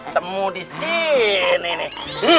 temu disini nih